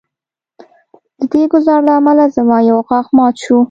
د دې ګزار له امله زما یو غاښ مات شو